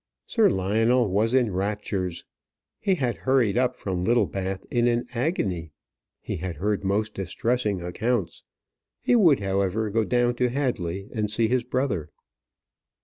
Sir Lionel was in raptures. He had hurried up from Littlebath in an agony. He had heard most distressing accounts. He would however go down to Hadley and see his brother.